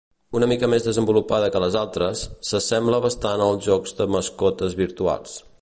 Una mica més desenvolupada que les altres, s'assembla bastant als jocs de mascotes virtuals.